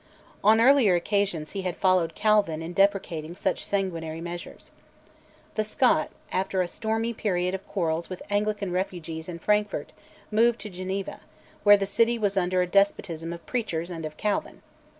On earlier occasions he had followed Calvin in deprecating such sanguinary measures. The Scot, after a stormy period of quarrels with Anglican refugees in Frankfort, moved to Geneva, where the city was under a despotism of preachers and of Calvin.